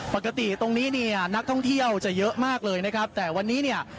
ปกติตรงนี้เนี่ยนักท่องเที่ยวจะเยอะมากเลยนะครับแต่วันนี้เนี่ย